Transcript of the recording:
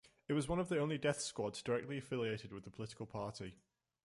It was one of the only death squads directly affiliated with a political party.